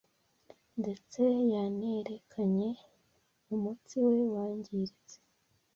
ndetse yanerekanye umutsi we wangiritse